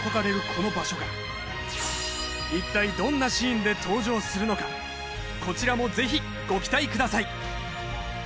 この場所が一体どんなシーンで登場するのかこちらもぜひご期待ください